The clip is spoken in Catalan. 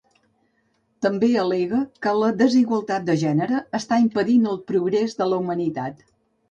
També al·lega que la desigualtat de gènere està impedint el progrés de la humanitat.